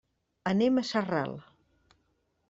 Anem a Sarral.